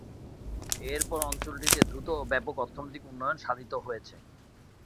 এরপর অঞ্চলটিতে দ্রুত ও ব্যাপক অর্থনৈতিক উন্নয়ন সাধিত হয়েছে।